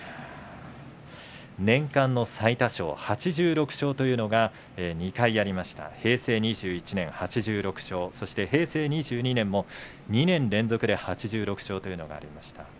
年間の最多勝８６勝というのが２回ありました、平成２１年そして平成２２年も２年連続で８６勝というのがありました。